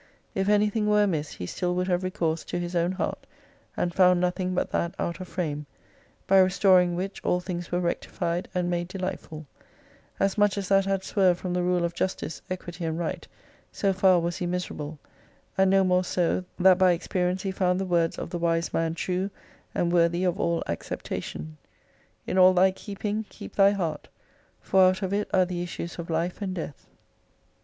If anything were amiss, he still would have recourse to his own heart, and found nothing but that out of frame : by restoring which all things were rectified, and made delightful: As much as that had swerved from the rule of justice, equity and right, so far was he miserable, and no more so that by experience he found the words of the wise man true, and worthy of all acceptation : In all thy keepingy keep thy heart, for out of it are the issues of life and death.